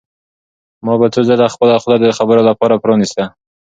ما به څو ځله خپله خوله د خبرو لپاره پرانیسته.